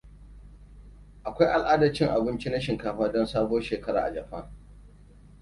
Akwai al'adar cin abinci na shinkafa don Sabuwar Shekara a Japan.